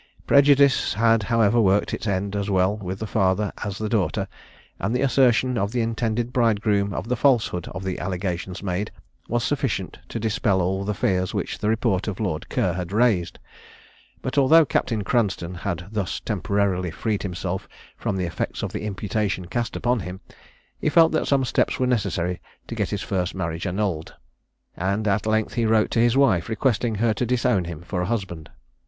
Prejudice had, however, worked its end as well with the father as the daughter, and the assertion of the intended bridegroom of the falsehood of the allegations made was sufficient to dispel all the fears which the report of Lord Ker had raised. But although Captain Cranstoun had thus temporarily freed himself from the effects of the imputation cast upon him, he felt that some steps were necessary to get his first marriage annulled, and he at length wrote to his wife, requesting her to disown him for a husband.